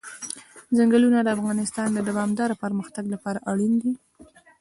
ځنګلونه د افغانستان د دوامداره پرمختګ لپاره اړین دي.